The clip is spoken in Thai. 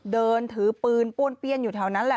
เดินถือปืนป้วนเปี้ยนอยู่แถวนั้นแหละ